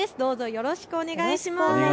よろしくお願いします。